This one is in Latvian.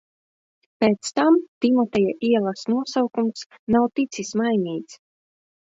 Pēc tam Timoteja ielas nosaukums nav ticis mainīts.